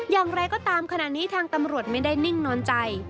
อย่างไรก็ตามขณะนี้ทางตำรวจไม่ได้นิ่งนอนใจ